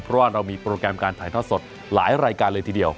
เพราะว่าเรามีโปรแกรมการถ่ายทอดสดหลายรายการเลยทีเดียว